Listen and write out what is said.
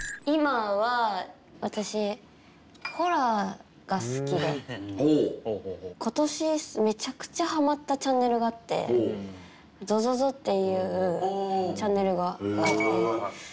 今は私ホラーが好きで今年めちゃくちゃハマったチャンネルがあって「ゾゾゾ」っていうチャンネルが。